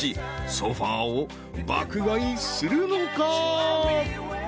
ソファを爆買いするのか？］